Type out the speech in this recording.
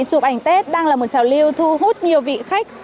chụp ảnh tết đang là một trào lưu thu hút nhiều vị khách